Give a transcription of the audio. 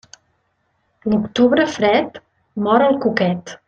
L'octubre fred, mor el cuquet.